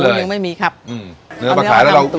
กีทีนึงไม่มีครับอืมเอาเนื้อมาขายแล้วเราอัลน้ำตุ๋ย